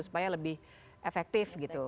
supaya lebih efektif gitu